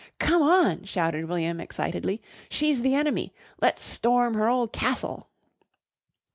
"Come on!" shouted William excitedly. "She's the enemy. Let's storm her ole castle."